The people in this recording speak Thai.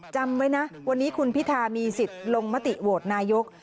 จำไว้นะวันนี้คุณพิธามีสิทธิ์ลงมติโหวตนายก